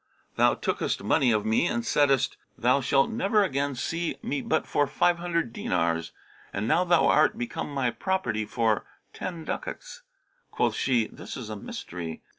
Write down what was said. Thou tookest money of me and saidest, 'Thou shalt never again see me but for five hundred dinars.' And now thou art become my property for ten ducats.' Quoth she, 'This is a mystery.